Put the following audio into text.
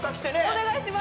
お願いします。